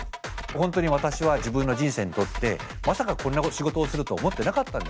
本当に私は自分の人生にとってまさかこんな仕事をすると思ってなかったんですね。